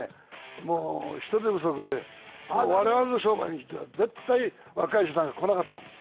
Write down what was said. もう人手不足で我々の商売には絶対若い人なんか来なかったんです